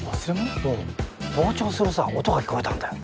膨張するさ音が聞こえたんだよ。